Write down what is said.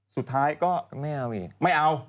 สุดท้ายก็ไม่เอา